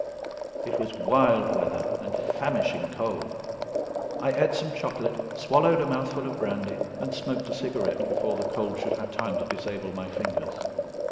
It was wild weather and famishing cold. I ate some chocolate, swallowed a mouthful of brandy, and smoked a cigarette before the cold should have time to disable my fingers.